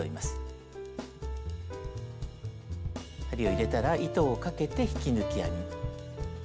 針を入れたら糸をかけて引き抜き編み。